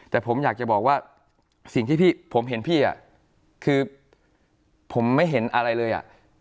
แต่ผมอยากจะบอกว่าสิ่งที่พี่ผมเห็นพี่คือผมไม่เห็นอะไรเลยอ่ะ